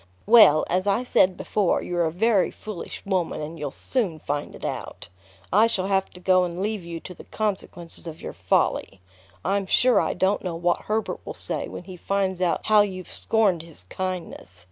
"Well, as I said before, you're a very foolish woman; and you'll soon find it out. I shall have to go and leave you to the consequences of your folly. I'm sure I don't know what Herbert will say when he finds out how you've scorned his kindness.